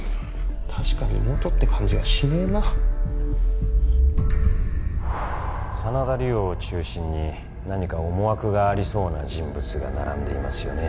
確かに妹って感じがしねえな真田梨央を中心に何か思惑がありそうな人物が並んでいますよね